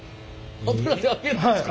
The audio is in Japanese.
油で揚げるんですか？